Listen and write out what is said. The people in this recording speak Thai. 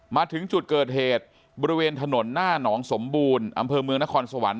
มาถึงจุดเกิดเหตุบริเวณถนนหน้าหนองสมบูรณ์อำเภอเมืองนครสวรรค